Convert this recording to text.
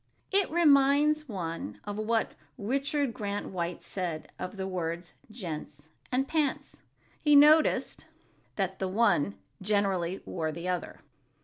It reminds one of what Richard Grant White said of the words "gents" and "pants"—he noticed "that the one generally wore the other."